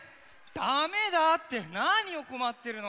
だめだってなにをこまってるの？